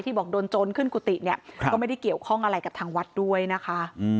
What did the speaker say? บอกโดนโจรขึ้นกุฏิเนี่ยก็ไม่ได้เกี่ยวข้องอะไรกับทางวัดด้วยนะคะ